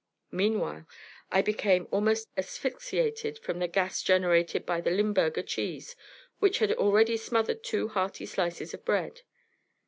Meanwhile I became almost asphyxiated from the gas generated by the Limburger cheese which had already smothered two hearty slices of bread.